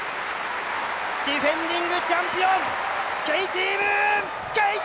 ディフェンディングチャンピオンケイティ・ムーン。